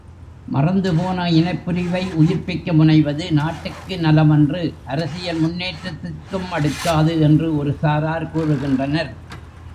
மறந்துபோன இனப்பிரிவை உயிர்ப்பிக்க முனைவது நாட்டுக்கு நலமன்று அரசியல் முன்னேற்றத்திற்கும் அடுக்காது என்று ஒரு சாரார் கூறுகின்றனர்.